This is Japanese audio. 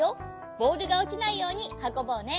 ボールがおちないようにはこぼうね。